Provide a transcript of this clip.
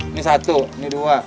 ini satu ini dua